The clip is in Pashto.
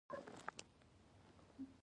مکالمې د شخصیتونو وده ښيي.